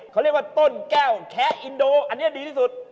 เขาเรียกว่าต้นแก้วแคะอินโดอันนี้ดีที่สุด